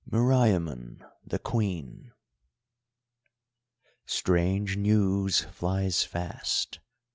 MERIAMUN THE QUEEN Strange news flies fast.